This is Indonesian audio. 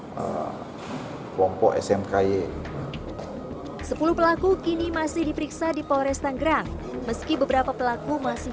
kelompok smky sepuluh pelaku kini masih diperiksa di polres tanggerang meski beberapa pelaku masih